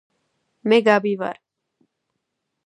მე გაბი, ვარ